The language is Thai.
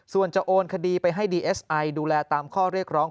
ส่วนจะโอนคดีไปให้ดีเอสไอดูแลตามข้อเรียกร้อง